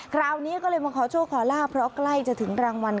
คราวนี้ก็เลยมาขอโชคขอลาบเพราะใกล้จะถึงรางวัล